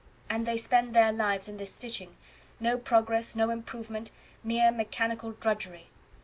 "And they spend their lives in this stitching no progress no improvement mere mechanical drudgery."